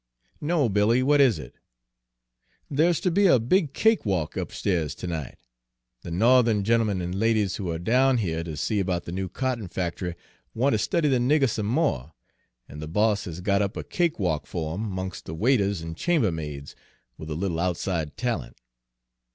"No, Billy; what is it?" "There's to be a big cakewalk upstairs to night. The No'the'n gentlemen an' ladies who are down here to see about the new cotton fact'ry want to study the nigger some more, and the boss has got up a cakewalk for 'em, 'mongst the waiters and chambermaids, with a little outside talent."